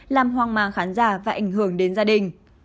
làm hoang mà khán giả và ảnh hưởng đến gia đình